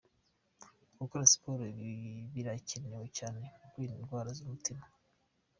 Gukora siporo birakenewe cyane mu kwirinda indwara z'umutima.